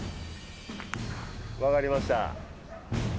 分かりました。